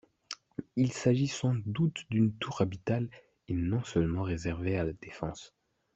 Il s’agit sans doute d’une tour habitable et non seulement réservée à la défense.